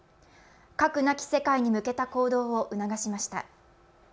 核なき世界に向けた行動を促しました。